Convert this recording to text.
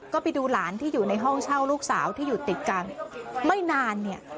ก็ไปดูหลานที่อยู่ในห้องเช่าลูกสาวที่อยู่ติดกันไม่นานเนี่ย